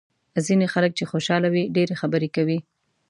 ځینې خلک چې خوشاله وي ډېرې خبرې کوي.